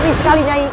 nih sekali nyai